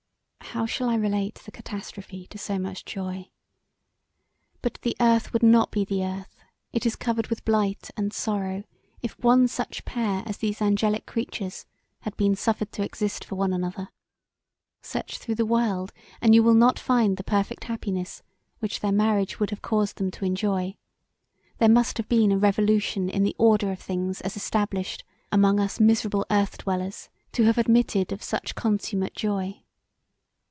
How shall I relate the catastrophe to so much joy; but the earth would not be the earth it is covered with blight and sorrow if one such pair as these angelic creatures had been suffered to exist for one another: search through the world and you will not find the perfect happiness which their marriage would have caused them to enjoy; there must have been a revolution in the order of things as established among us miserable earth dwellers to have admitted of such consummate joy.